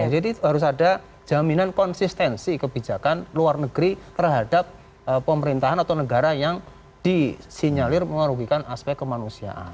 jadi harus ada jaminan konsistensi kebijakan luar negeri terhadap pemerintahan atau negara yang disinyalir mengaruhikan aspek kemanusiaan